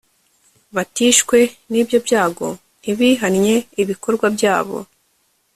batishwe n ibyo byago ntibihannye ibikorwa byabo